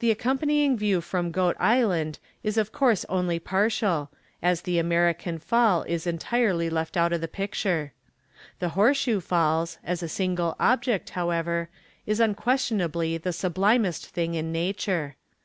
The accompanying view from Goat Island is of course only partial, as the American fall is entirely left out of the picture. The Horseshoe Falls, as a single object, however, is unquestionably the sublimest thing in nature.